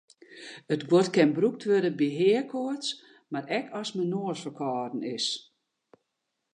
It guod kin brûkt wurde by heakoarts mar ek as men noasferkâlden is.